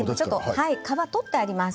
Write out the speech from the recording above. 皮を取ってあります。